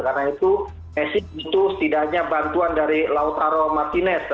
karena itu messi itu setidaknya bantuan dari lautaro martinez